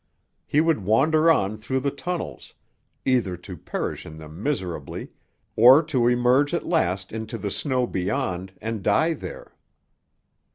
He would wander on through the tunnels, either to perish in them miserably, or to emerge at last into the snow beyond and die there.